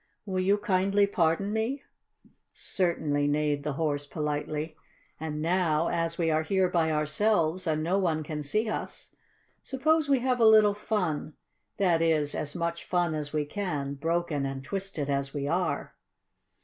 Will you kindly pardon me?" "Certainly," neighed the Horse, politely. "And now, as we are here by ourselves, and no one can see us, suppose we have a little fun that is, as much fun as we can, broken and twisted as we are."